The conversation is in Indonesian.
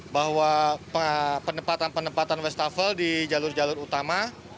bahwa penempatan penempatan west tafel di jalur jalur utama